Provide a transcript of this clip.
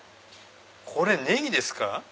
これネギですか？